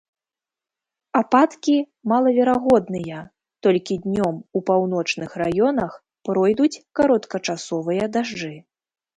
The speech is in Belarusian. Ападкі малаверагодныя, толькі днём у паўночных раёнах пройдуць кароткачасовыя дажджы.